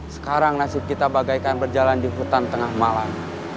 sekarang nasib kita bagaikan berjalan di hutan tengah malam